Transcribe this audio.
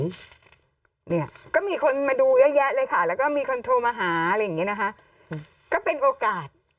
เนี่ยก็มีคนมาดูเยอะแยะเลยค่ะแล้วก็มีคนโทรมาหาอะไรอย่างเงี้นะคะก็เป็นโอกาส